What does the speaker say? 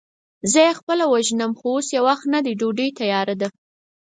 زه يې خپله وژنم، خو اوس يې وخت نه دی، ډوډۍ تياره ده.